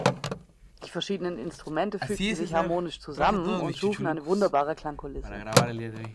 Die verschiedenen Instrumente fügten sich harmonisch zusammen und schufen eine wunderbare Klangkulisse.